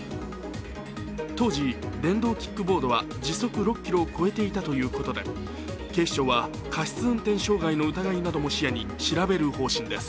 当時、電動キックボードは時速６キロを超えていたということで警視庁は過失運転傷害の疑いなども視野に調べる方針です。